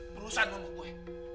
perlu san buk buk gue